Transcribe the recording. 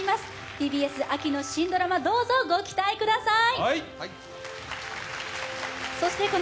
ＴＢＳ秋の新ドラマ、どうぞご期待ください！